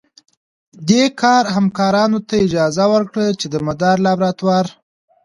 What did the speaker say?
دې کار همکارانو ته اجازه ورکړه چې د مدار لابراتوار